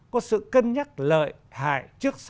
có sự cân nhắc lợi hại